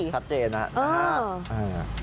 ชัดเจนครับนะฮะอืมนะฮะ